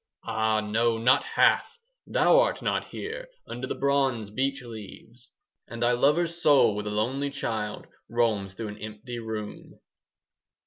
Ah, no, not half! Thou art not here 5 Under the bronze beech leaves, And thy lover's soul like a lonely child Roams through an empty room.